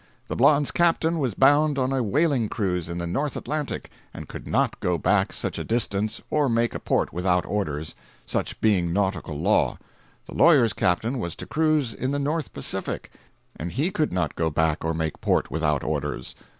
The blonde's captain was bound on a whaling cruise in the North Atlantic and could not go back such a distance or make a port without orders; such being nautical law. The lawyer's captain was to cruise in the North Pacific, and he could not go back or make a port without orders.